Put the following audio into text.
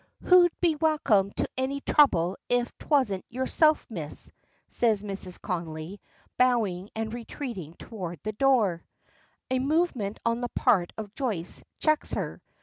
"Who'd be welcome to any trouble if 'twasn't yerself, Miss?" says Mrs. Connolly, bowing and retreating toward the door. A movement on the part of Joyce checks her.